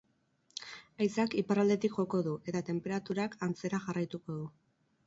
Haizeak iparraldetik joko du eta tenperaturak antzera jarraituko du.